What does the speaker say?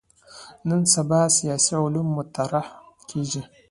نن سبا سیاسي علومو مطرح کېږي.